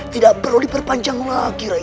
tidak perlu diperpanjang lagi rey